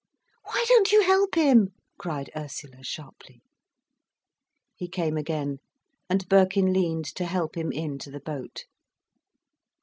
"Why don't you help him?" cried Ursula sharply. He came again, and Birkin leaned to help him in to the boat.